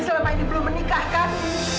selama ini belum menikahkan